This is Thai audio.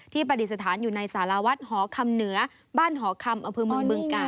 ที่ปฏิสถานอยู่ในสารวัฒน์หอคำเหนือบ้านหอคำอเบิร์งเบื้องกาศ